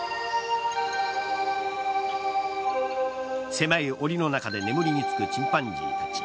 狭いおりの中で眠りにつくチンパンジーたち。